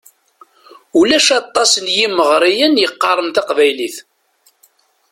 Ulac aṭas n yimeɣriyen yeqqaren taqbaylit.